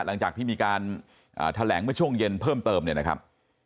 หลังจากที่มีการแถลงเมื่อช่วงเย็นเพิ่มเติมเนี่ยนะครับ